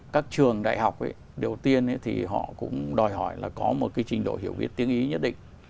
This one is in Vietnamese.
các trường đại học ấy điều tiên thì họ cũng đòi hỏi là có một cái trình độ hiểu viết tiếng ý nhất định